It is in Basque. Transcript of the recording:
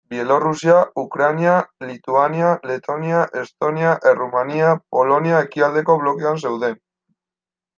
Bielorrusia, Ukraina, Lituania, Letonia, Estonia, Errumania, Polonia ekialdeko blokean zeuden.